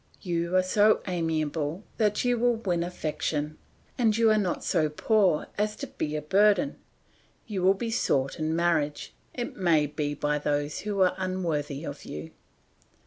"You are so amiable that you will win affection, and you are not go poor as to be a burden. You will be sought in marriage, it may be by those who are unworthy of you.